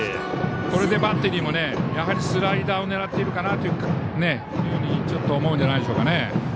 これでバッテリーもやはりスライダーを狙っているかなと思うんじゃないでしょうか。